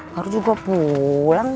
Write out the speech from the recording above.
harus juga pulang